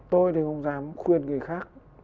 tôi thì không dám khuyên người khác